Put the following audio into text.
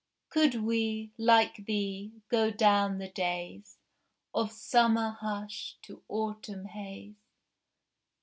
Could we, like thee, go down the days Of summer hush to autumn haze.